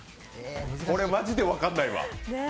これ、マジで分からないわ。